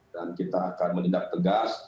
dan kita akan menindak tegas